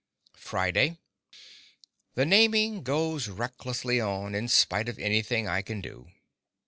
Friday The naming goes recklessly on, in spite of anything I can do.